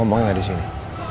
ngomongin yg ada sini